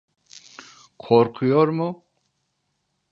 Korkuyor mu?